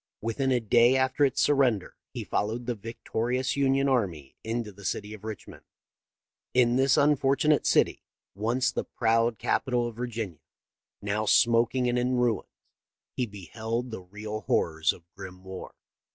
Within a day after its surrender he followed the victorious Union army into the city of Richmond. In this unfortu nate city — once the proud capital of Virginia — now smoking and in ruins, he beheld the real horrors of grim war.